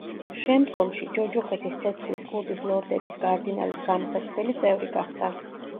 შემდგომში, ჯოჯოხეთის ცეცხლის კლუბის ლორდების კარდინალის გამოსაცდელი წევრი გახდა.